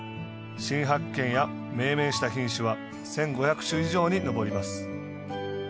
新発見や、命名した品種は１５００種以上に上ります。